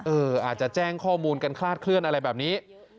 อาจจะแจ้งข้อมูลกันคลาดเคลื่อนอะไรแบบนี้